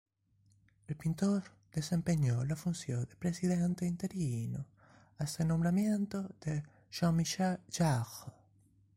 El pintor desempeñó la función de Presidente interino hasta el nombramiento de Jean-Michel Jarre.